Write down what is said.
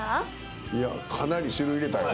いやかなり種類入れたよ。